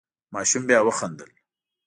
ماشوم بیا وخندل.